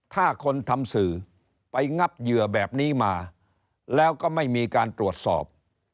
ถ้าคนทำสื่อไปงับเหยื่อแบบนี้มาแล้วก็ไม่มีการตรวจสอบ